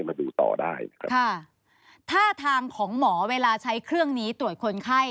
มาดูต่อได้นะครับค่ะท่าทางของหมอเวลาใช้เครื่องนี้ตรวจคนไข้